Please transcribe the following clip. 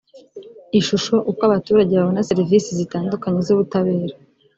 ishusho uko abaturage babona serivisi zitandukanye z ubutabera